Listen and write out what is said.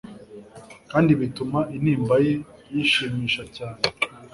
kandi bituma intimba ye yishimisha cyane